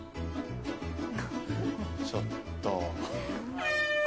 ちょっと！